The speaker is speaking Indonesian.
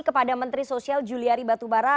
kepada menteri sosial juliari batubara